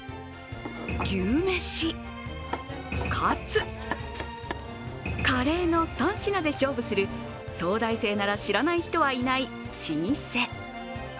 牛めし、カツ、カレーの３品で勝負する早大生なら知らない人はいない老舗。